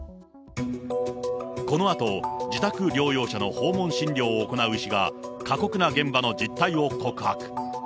このあと、自宅療養者の訪問診療を行う医師が過酷な現場の実態を告白。